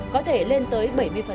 có thể lên tới bảy mươi